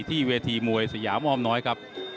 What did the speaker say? ที่เวทีมวยสยามอ้อมน้อยครับ